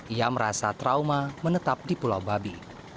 ia merasa trauma menetap di pulau babi